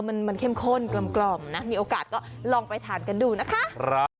มันเข้มข้นกลมนะมีโอกาสก็ลองไปทานกันดูนะคะ